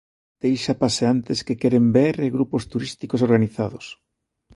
Deixa paseantes que queren ver e grupos turísticos organizados.